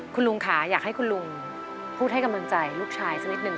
คุณลุงค่ะอยากให้คุณลุงพูดให้กำลังใจลูกชายสักนิดหนึ่ง